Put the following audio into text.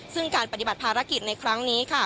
ซึ่งการปฏิบัติภารกิจในครั้งนี้ค่ะ